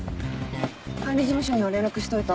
管理事務所には連絡しといた。